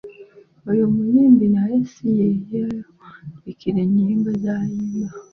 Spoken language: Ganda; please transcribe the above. Oyo muyimbi naye si yeyeewandiikira enyimba z'ayimba.